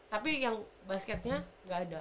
tapi yang basketnya nggak ada